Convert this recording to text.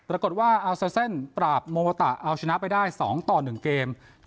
ปรากฏว่าอัลเซอร์เซ่นปราบโมโมตะเอาชนะไปได้๒ต่อ๑เกม